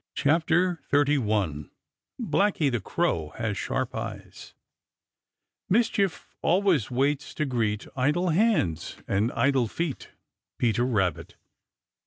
CHAPTER XXXI BLACKY THE CROW HAS SHARP EYES Mischief always waits to greet Idle hands and idle feet. Peter Rabbit.